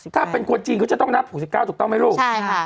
ถ้าเป็นคนจีนเขาจะต้องนับ๖๙ถูกต้องไหมลูก